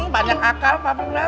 banyak akal papih lah